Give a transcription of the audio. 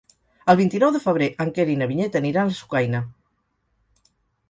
El vint-i-nou de febrer en Quer i na Vinyet aniran a Sucaina.